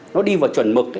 nó đi vào chuẩn mực